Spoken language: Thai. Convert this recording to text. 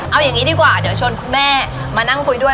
เอาอย่างนี้ดีกว่าเดี๋ยวชวนคุณแม่มานั่งคุยด้วย